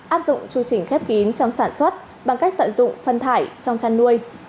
áp dụng chu trình khép kín trong sản xuất bằng cách tận dụng phân thải trong chăn nuôi